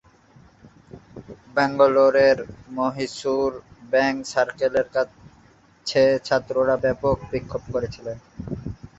ব্যাঙ্গালোরের মহীশূর ব্যাংক সার্কেলের কাছে ছাত্ররা ব্যাপক বিক্ষোভ করেছিল।